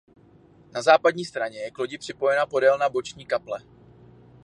Na západní straně je k lodi připojena podélná boční kaple.